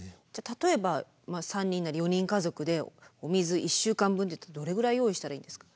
例えば３人なり４人家族でお水１週間分っていうとどれぐらい用意したらいいんですか？